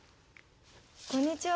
こんにちは。